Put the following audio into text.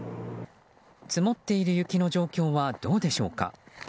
積もっている雪の状況はどうでしょうか。